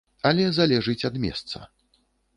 Але залежыць ад месца.